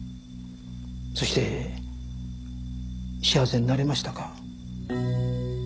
そして幸せになれましたか？